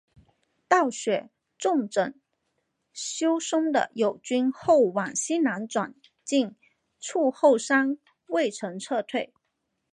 道雪重整休松的友军后往西南转进筑后山隈城撤退。